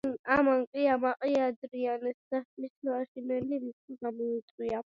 ამან კი ამაყი ადრიანეს საშინელი რისხვა გამოიწვია.